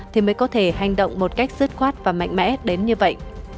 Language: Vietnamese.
thì mới có thể hành động một cách dứt khoát và mạnh mẽ đến như vậy